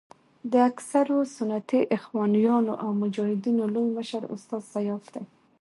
د اکثرو سنتي اخوانیانو او مجاهدینو لوی مشر استاد سیاف دی.